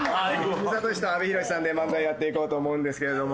尾身智志と阿部寛さんで漫才やっていこうと思うんですけれども。